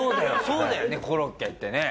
そうだよねコロッケってね。